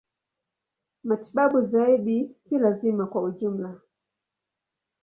Matibabu zaidi si lazima kwa ujumla.